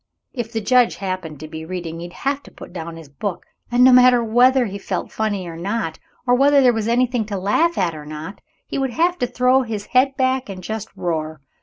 If the judge happened to be reading, he'd have to put down his book, and no matter whether he felt funny or not, or whether there was anything to laugh at or not, he would have to throw his head back and just roar.